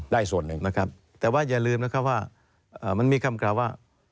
ได้ส่วนหนึ่งนะครับแต่ว่าอย่าลืมนะครับว่ามันมีคำกล่าวว่า